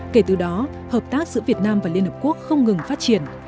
kể từ đó hợp tác giữa việt nam và liên hợp quốc không ngừng phát triển